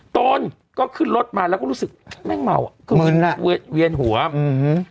โตนก็ขึ้นรถมาแล้วก็รู้สึกแม่งเมามืนอ่ะเวียนหัวอือฮือ